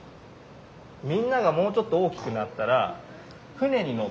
みんながもうちょっと大きくなったら船に乗って行ってみればいいよ